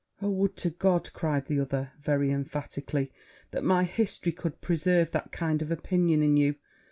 'Oh! would to God,' cried the other, very emphatically, 'that my history could preserve that kind opinion in you!